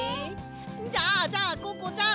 じゃあじゃあココちゃん！